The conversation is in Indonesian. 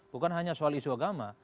bukan hanya soal isu agama